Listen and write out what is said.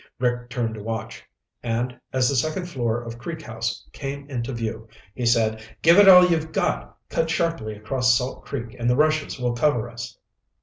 Rick turned to watch, and as the second floor of Creek House came into view, he said, "Give it all you've got. Cut sharply across Salt Creek and the rushes will cover us."